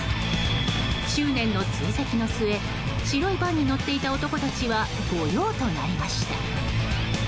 執念の追跡の末白いバンに乗っていた男たちは御用となりました。